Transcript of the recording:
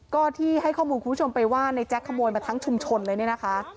ก็ที่ให้ข้อมูลคุณผู้ชมไปว่าในแจ๊คขโมยมาทั้งชุมชนเลยเนี่ยนะคะ